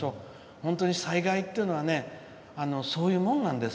本当に災害っていうのはそういうもんなんです。